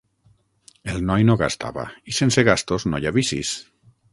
El noi no gastava i sense gastos no hi ha vicis;